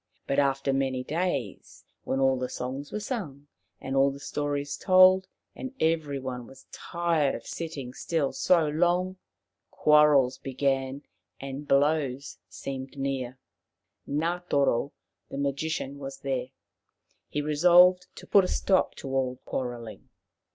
But after many days, when all the songs were The Wanderers 19 sung and all the stories told, and every one was tired of sitting still so long, quarrels began and blows seemed near. Ngatoro the magician was there. He resolved to put a stop to all quarrelling.